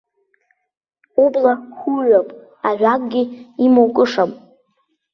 Убла хуҩап, ажәакгьы имоукышам.